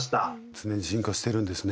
常に進化しているんですね。